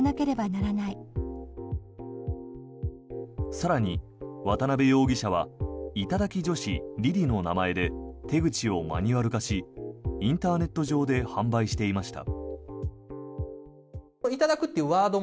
更に、渡邊容疑者は頂き女子りりの名前で手口をマニュアル化しインターネット上で販売していました。